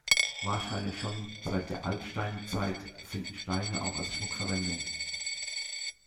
Wahrscheinlich schon seit der Altsteinzeit finden Steine auch als Schmuck Verwendung.